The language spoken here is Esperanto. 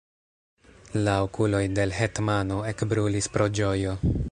La okuloj de l' hetmano ekbrulis pro ĝojo.